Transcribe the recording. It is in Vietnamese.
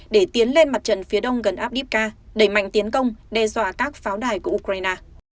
để tiến lên mặt trận phía đông gần abdibka đẩy mạnh tiến công đe dọa các pháo đài của ukraine